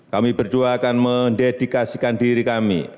kami berdua akan mendedikasikan diri kami